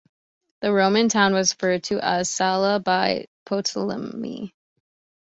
The Roman town was referred to as "Sala" by Ptolemy.